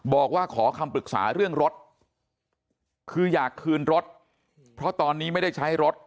บอกว่าขอคำปรึกษาเรื่องรถคืออยากคืนรถเพราะตอนนี้ไม่ได้ใช้รถ